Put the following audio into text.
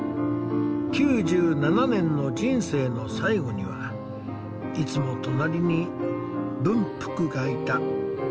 ９７年の人生の最期にはいつも隣に文福がいた。